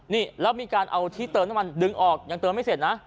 นี่แล้วมีการเอาที่เติมน้ำมันดึงออกยังเติมไม่เสร็จนะ